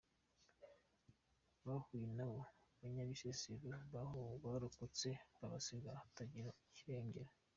Bahuye n’abo banyabisesero barokotse babasiga batagira kirengera.